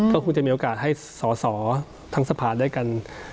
ก็คงจะมีโอกาสให้สอสอทั้งสภาได้กัน